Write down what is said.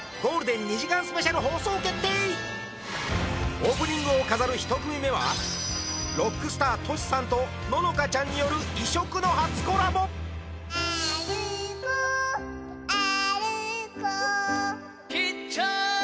オープニングを飾る１組目はロックスターＴｏｓｈＩさんと乃々佳ちゃんによる異色の初コラボある